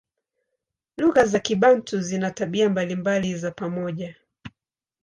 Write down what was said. Lugha za Kibantu zina tabia mbalimbali za pamoja.